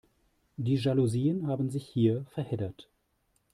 Die Jalousien haben sich hier verheddert.